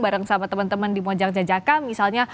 bareng sama teman teman di mojang jajaka misalnya